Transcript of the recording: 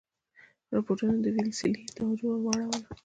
رپوټونو د ویلسلي توجه ور واړوله.